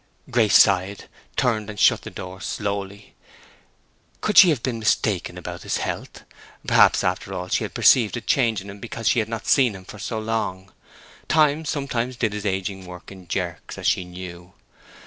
Grace sighed, turned and shut the door slowly. Could she have been mistaken about his health? Perhaps, after all, she had perceived a change in him because she had not seen him for so long. Time sometimes did his ageing work in jerks, as she knew.